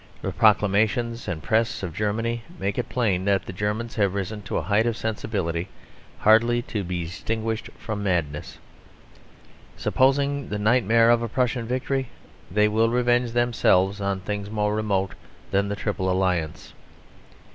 The proclamations and press of Germany make it plain that the Germans have risen to a height of sensibility hardly to be distinguished from madness. Supposing the nightmare of a Prussian victory, they will revenge themselves on things more remote than the Triple Alliance.